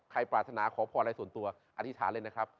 ปรารถนาขอพรอะไรส่วนตัวอธิษฐานเลยนะครับ